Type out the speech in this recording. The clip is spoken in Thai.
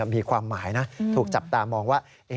มีความหมายนะถูกจับตามองว่า